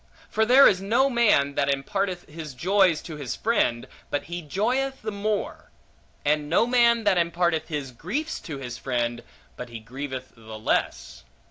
For there is no man, that imparteth his joys to his friend, but he joyeth the more; and no man that imparteth his griefs to his friend, but he grieveth the less.